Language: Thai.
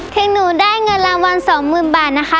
ถึงหนูได้เงินรางวัลสองหมื่นบาทนะคะ